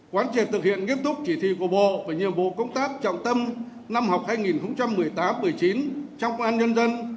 quán triệt thực hiện nghiêm túc chỉ thị của bộ và nhiệm vụ công tác trọng tâm năm học hai nghìn một mươi tám một mươi chín trong công an nhân dân